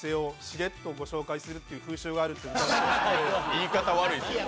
言い方悪いですよ